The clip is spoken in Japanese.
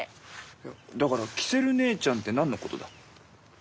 いやだからキセルねえちゃんって何のことだ？